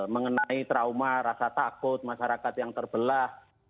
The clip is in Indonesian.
mengenai trauma rasa takut masyarakat yang terbelah